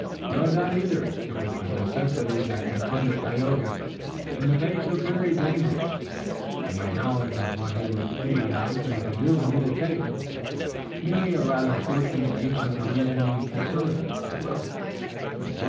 "Nor that either. It was the necessities that confronted Tayoga in the face of varied dangers, and my knowledge of what he would be likely to do in either case. Merely a rather fortunate use of the reasoning faculties, Will."